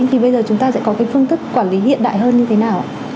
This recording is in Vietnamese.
thì bây giờ chúng ta sẽ có phương thức quản lý hiện đại hơn như thế nào